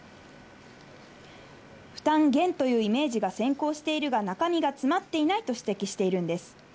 負担減というイメージが先行しているが、中身が詰まっていないと指摘しているんです。